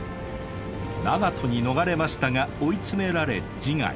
長門に逃れましたが追い詰められ自害。